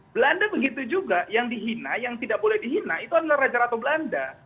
belanda begitu juga yang dihina yang tidak boleh dihina itu adalah raja ratu belanda